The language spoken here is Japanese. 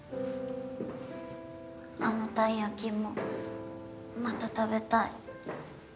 あのたい焼きもまた食べたい。